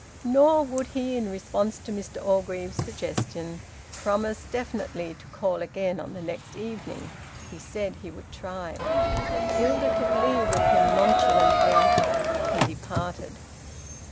Nor would he, in response to Mr Orgreave's suggestion, promise definitely to call again on the next evening. He said he would try. Hilda took leave of him nonchalantly. He departed.